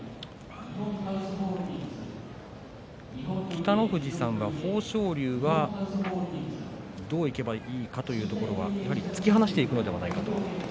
北の富士さんは豊昇龍はどういけばいいかというところはやはり突き放していくのではないかと。